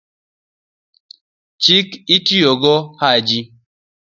chik otiyo Haji